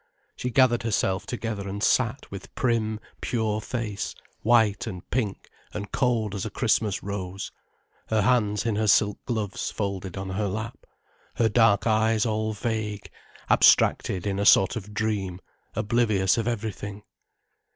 She gathered herself together and sat with prim, pure face, white and pink and cold as a Christmas rose, her hands in her silk gloves folded on her lap, her dark eyes all vague, abstracted in a sort of dream, oblivious of everything.